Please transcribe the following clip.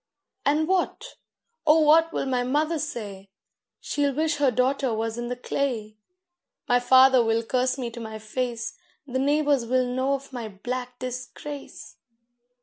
And what, O what will my mother say? She'll wish her daughter was in the clay. My father will curse me to my face; The neighbours will know of my black disgrace.